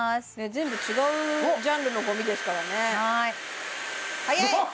全部違うジャンルのゴミですからね早い！